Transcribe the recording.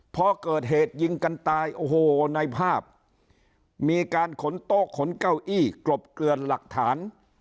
พอเกิดเหตุยิงกันตายโอ้โหในภาพมีการขนโต๊ะขนเก้าอี้กลบเกลือนหลักฐาน